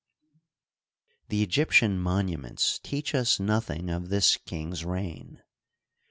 — The Egyptian monuments teach us nothing of this king's reign.